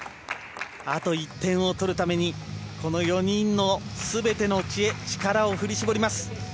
あと１点を取るためにこの４人の全ての知恵力を振り絞ります。